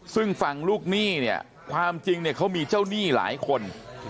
ซึ่งฝั่งลูกหนี้เนี่ยความจริงเนี่ยเขามีเจ้าหนี้หลายคน